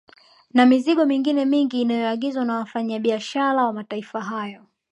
Na mizigo mingine mingi inayoagizwa na wafanya biashara wa mataifa hayo